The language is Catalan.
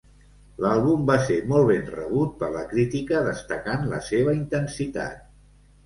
L'àlbum va ser molt ben rebut per la crítica destacant la seva intensitat.